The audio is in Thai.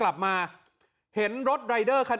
แล้วมาหลังจากนั้น